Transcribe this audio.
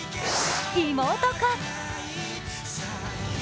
妹か？